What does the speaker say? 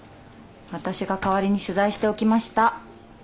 私が代わりに取材しておきました。